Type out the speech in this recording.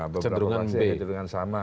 beberapa fraksi yang cenderungan sama